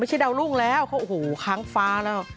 ไม่ใช่ดาวรุ้งแล้วโอ้โหค้างฟ้าแล้ว